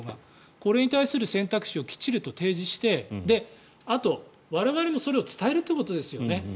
これに対する選択肢をきちんと提示してあと、我々もそれを伝えるということですよね。